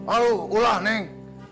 aduh pulang neng